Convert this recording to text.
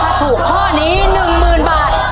ถ้าถูกข้อนี้๑๐๐๐บาท